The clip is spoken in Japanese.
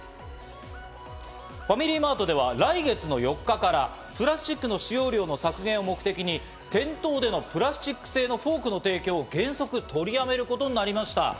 ファミリーマートでは来月の４日からプラスチックの使用量の削減を目的に店頭でのプラスチック製のフォークの提供を原則、取りやめることになりました。